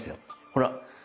ほら。